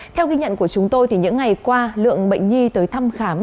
theo ghi nhận của chúng tôi những ngày qua lượng bệnh nhi tới thăm khám